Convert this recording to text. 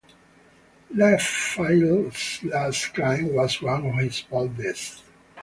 Lafaille's last climb was one of his boldest.